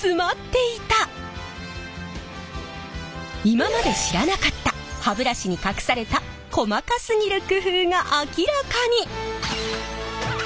今まで知らなかった歯ブラシに隠された細かすぎる工夫が明らかに！